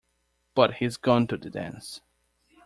But he's gone to the dance.